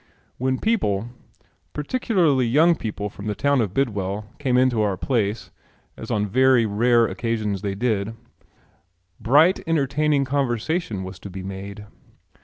When people, particularly young people from the town of Bidwell, came into our place, as on very rare occasions they did, bright entertaining conversation was to be made.